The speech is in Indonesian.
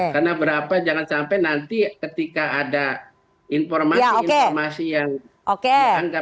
karena berapa jangan sampai nanti ketika ada informasi informasi yang dianggap